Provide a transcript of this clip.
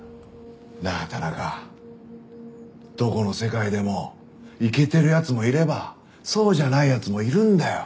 なあ田中どこの世界でもイケてる奴もいればそうじゃない奴もいるんだよ。